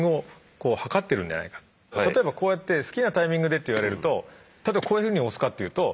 例えばこうやって「好きなタイミングで」って言われると例えばこういうふうに押すかっていうと。